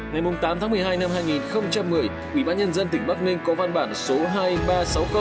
ngày tám tháng một mươi hai năm hai nghìn một mươi quỹ bán nhân dân tỉnh bắc ninh có văn bản số hai nghìn ba trăm sáu mươi